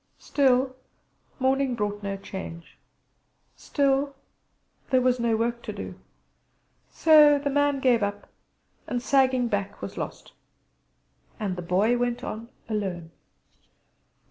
Still, morning brought no change; still, was there no work to do. So the man gave up, and sagging back, was lost. And the Boy went on alone.